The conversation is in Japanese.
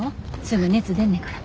すぐ熱出んねから。